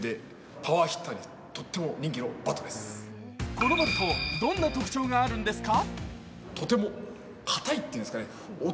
このバット、どんな特徴があるんですか？